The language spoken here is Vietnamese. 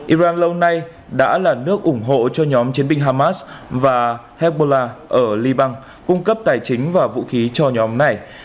iran lâu nay đã là nước ủng hộ cho nhóm chiến binh hamas và hezbollah ở libang cung cấp tài chính và vũ khí cho nhóm này